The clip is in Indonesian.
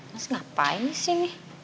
mas ngapain disini